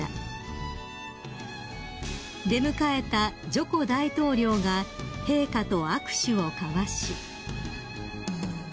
［出迎えたジョコ大統領が陛下と握手を交わし］